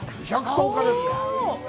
２１０日ですか？